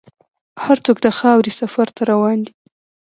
هر څوک د خاورې سفر ته روان دی.